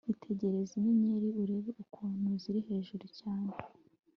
itegereze inyenyeri, urebe ukuntu ziri hejuru cyane